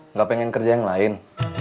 nggak pengen kerja yang lain